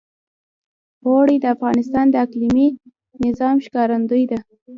اوړي د افغانستان د اقلیمي نظام ښکارندوی ده.